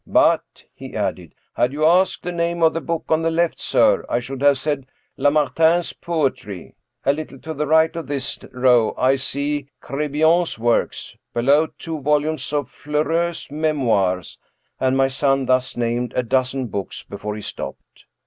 " But," he added, " had you asked the name of the book on the left, sir, I should have said Lamartine's Poetry. A little to the right of this row, I see Crebillon's works ; below, two volumes of Fleury's Memoirs "; and my son thus named a dozen books before he stopped.